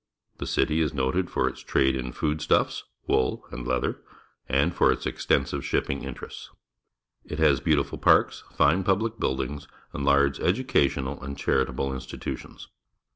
The city is noted for its trade in food stuffs, wool, and leather, and for its extensive shipping interests. It has beautiful parks, fine public buildings, and large educational and charitable institutions.